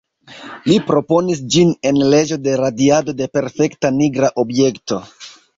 Li proponis ĝin en leĝo de radiado de perfekta nigra objekto.